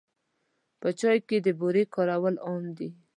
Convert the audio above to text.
په چای کې د بوري کارول عام دي.